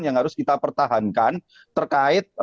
yang harus kita pertahankan terkait